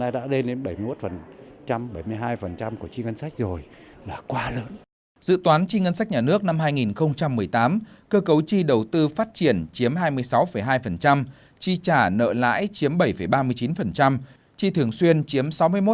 tri trả nợ lãi chiếm bảy ba mươi chín tri thường xuyên chiếm sáu mươi một bảy mươi sáu